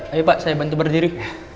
ayo pak saya bantu berdiri